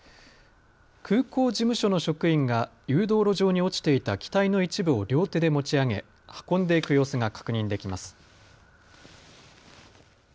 空港事務所の職員が誘導路上に落ちていた機体の一部を両手で持ち上げ運んでいく様子が確認できます。